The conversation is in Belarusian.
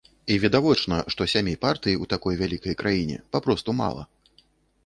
І відавочна, што сямі партый у такой вялікай краіне папросту мала.